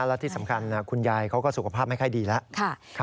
และที่สำคัญคุณยายเขาก็สุขภาพไม่ค่อยดีแล้ว